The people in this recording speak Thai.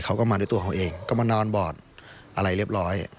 เขาก็มาด้วยตัวเขาเองก็มานอนบอดอะไรเรียบร้อย